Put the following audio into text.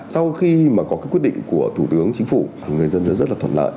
sau khi mà có cái quyết định của thủ tướng chính phủ thì người dân rất là thuận lợi